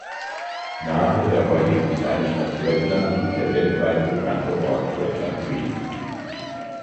Nahe der heutigen Kleinstadt Gretna liegt der weltweit bekannte Ort Gretna Green.